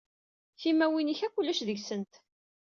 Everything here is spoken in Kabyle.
Timawin-ik akk ulac deg-sent.